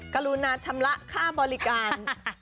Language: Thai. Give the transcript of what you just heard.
กรุณาชำระค่าบริการ